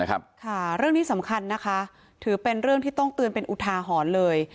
เรื่องนี้สำคัญนะคะถือเป็นเรื่องที่ต้องเตือนเป็นอุทาหรณ์เลย